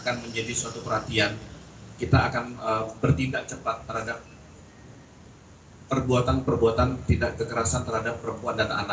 kami juga sudah melakukan penyelidikan dari pores tamalangkota